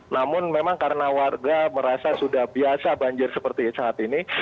namun memang karena warga merasa sudah biasa banjir seperti saat ini